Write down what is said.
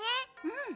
うん。